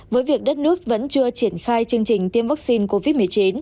với việc đất nước vẫn chưa triển khai chương trình tiêm vắc xin covid một mươi chín